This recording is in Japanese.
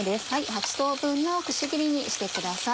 ８等分のくし切りにしてください。